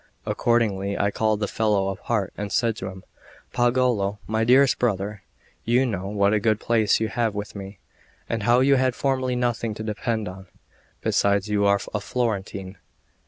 Accordingly I called the fellow apart and said to him, "Pagolo, my dearest brother, you know what a good place you have with me, and how you had formerly nothing to depend on; besides, you are a Florentine.